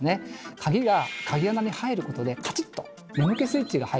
鍵が鍵穴に入ることでカチッと「眠気スイッチ」が入る。